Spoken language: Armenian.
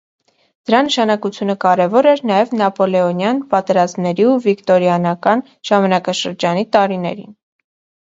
Դրա նշանակությունը կարևոր էր նաև նապոլեոնյան պատերազմների ու վիկտորիանական ժամանակաշրջանի տարիներին։